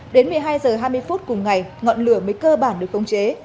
đến một mươi hai h hai mươi phút cùng ngày ngọn lửa mới cơ bản được khống chế